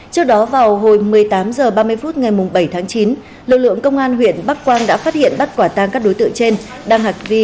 trước đó vào hồi một mươi tám h ba mươi phút ngày bảy tháng chín lực lượng công an huyện bắc quang đã phát hiện bắt quả tang các đối tượng trên đang hạc vi